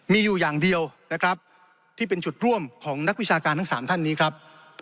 มีอยู่อย่างเดียวนะครับที่เป็นจุดร่วมของนักวิชาการทั้งสามท่านนี้ครับ